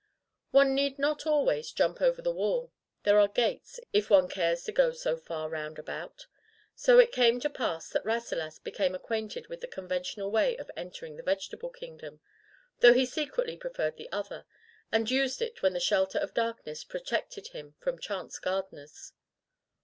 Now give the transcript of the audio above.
One need not always jump over the wall. There are gates, if one cares to go so far round about. So it came to pass that Rasselas became acquainted with the conventional way of entering the Vegetable Kingdom, though he secretly preferred the other, and used it when the shelter of darkness pro tected him from chance gardeners.